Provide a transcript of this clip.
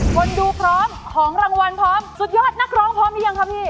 คนดูพร้อมของรางวัลพร้อมสุดยอดนักร้องพร้อมหรือยังครับพี่